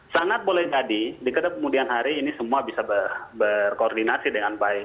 sangat boleh jadi di kemudian hari ini semua bisa berkoordinasi dengan baik